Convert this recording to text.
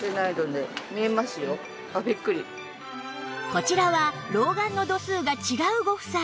こちらは老眼の度数が違うご夫妻